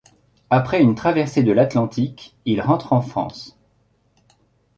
Après une traversée de l'Atlantique il rentre en France.